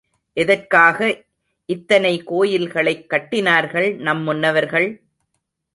எதற்காக இத்தனை கோயில்களைக் கட்டினார்கள் நம் முன்னவர்கள்?